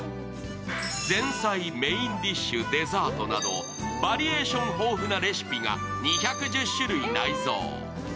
前菜、メインディッシュ、デザートなど、バリエーション豊富なレシピが２１０種類内蔵。